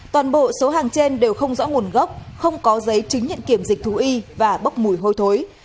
toàn bộ số hàng trên đều không rõ nguồn gốc không có giấy chứng nhận kiểm dịch thú y và bốc mùi hôi thối